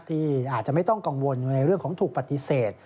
ที่อาจจะไม่ต้องกังวลในเรื่องของถูกปฏิเสธ